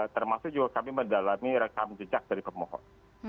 termasuk juga kami mendalami rekam jejak dari pemohon